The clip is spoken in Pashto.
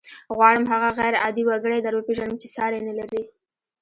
غواړم هغه غير عادي وګړی در وپېژنم چې ساری نه لري.